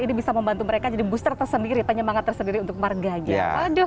ini bisa membantu mereka jadi booster tersendiri penyemangat tersendiri untuk marganya aduh